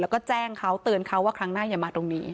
แล้วก็แจ้งเขาเตือนเขาว่าครั้งหน้าอย่ามาตรงนี้